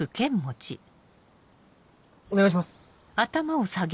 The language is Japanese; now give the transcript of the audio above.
お願いします。